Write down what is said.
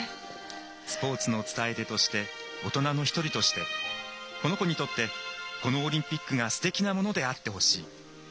スポーツの伝え手として大人の一人としてこの子にとってこのオリンピックがすてきなものであってほしい。